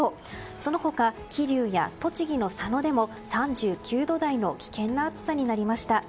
その他、桐生や栃木の佐野でも３９度台の危険な暑さになりました。